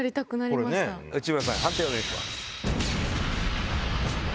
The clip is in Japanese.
内村さん判定をお願いします。